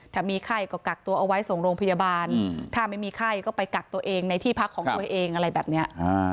ถ้ามีไข้ก็กักตัวเอาไว้ส่งโรงพยาบาลถ้าไม่มีไข้ก็ไปกักตัวเองในที่พักของตัวเองอะไรแบบนี้